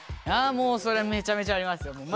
あもうそりゃめちゃめちゃありますよ。